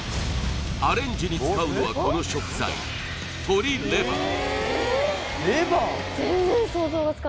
アレンジに使うのはこの食材レバー？